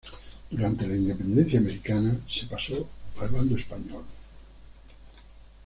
Durante la independencia americana se pasó al bando español.